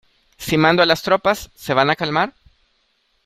Si mando a las tropas, ¿ se van a calmar?